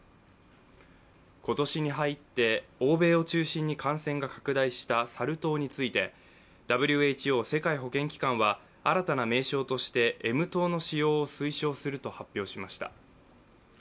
今年に入って欧米を中心に感染が拡大したサル痘についてＷＨＯ＝世界保健機関は新たな名称としてＭ痘の使用を推奨すると発表しました。